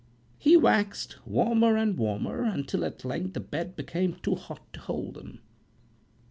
He waxed warmer and warmer, until at length the bed became too hot to hold him."